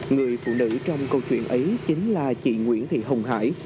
người phụ nữ trong câu chuyện ấy chính là chị nguyễn thị hồng hải